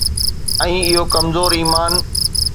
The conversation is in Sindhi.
۽ اهو ڪمزور ايمان.